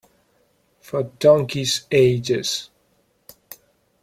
For donkeys' ages.